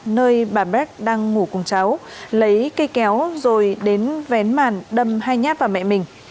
nơi bà bé đang ngủ cùng cháu lấy cây kéo rồi đến vén màn đâm hai nhát vào mẹ mình